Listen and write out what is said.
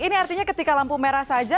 ini artinya ketika lampu merah saja